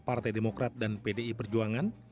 partai demokrat dan pdi perjuangan